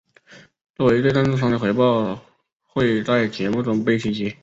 作为对赞助商的回报会在节目中被提及。